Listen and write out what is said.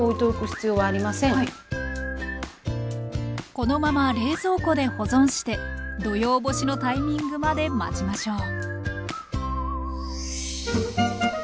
このまま冷蔵庫で保存して土用干しのタイミングまで待ちましょう